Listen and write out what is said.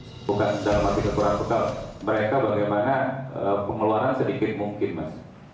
bukan secara mati kekurangan sekal mereka bagaimana pengeluaran sedikit mungkin mas